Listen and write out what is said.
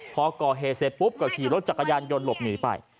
พอก่อเหตุเสร็จปุ๊บก็ขี่รถจักรยานยนต์หลบหนีไป